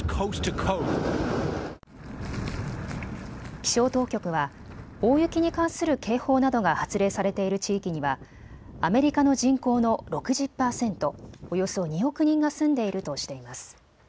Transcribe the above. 気象当局は大雪に関する警報などが発令されている地域にはアメリカの人口の６０％、およそ２億人が住んでいるとしています。